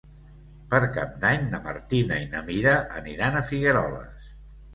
Per Cap d'Any na Martina i na Mira aniran a Figueroles.